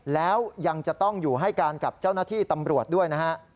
แล้วยังจะต้องอยู่ให้การกับเจ้าหน้าที่ตำรวจด้วยนะฮะ